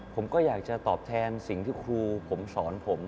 ผมก็อยากจะตอบแทนสิ่งที่ครูผมสอนผม